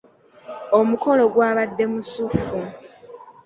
Omukolo gwabadde musuffu.